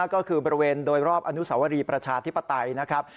ก็คือบริเวณโดยรอบอนุสาวรีประชาธิปไตยนะครับ